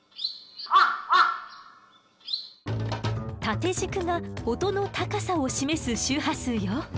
縦軸が音の高さを示す周波数よ。